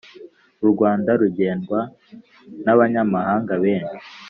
Urwanda rugendwa nabanyamahanga benshi